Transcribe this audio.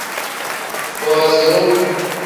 Booziru.